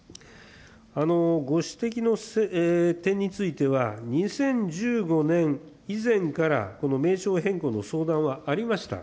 ご指摘の点については、２０１５年以前から、この名称変更の相談はありました。